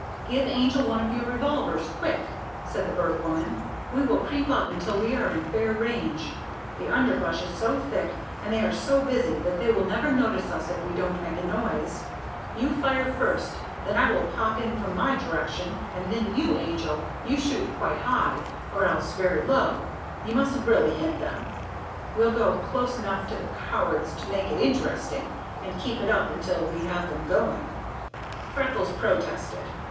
"Give Angel one of your revolvers, quick!" said the Bird Woman. "We will creep up until we are in fair range. The underbrush is so thick and they are so busy that they will never notice us, if we don't make a noise. You fire first, then I will pop in from my direction, and then you, Angel, and shoot quite high, or else very low. We mustn't really hit them. We'll go close enough to the cowards to make it interesting, and keep it up until we have them going." Freckles protested.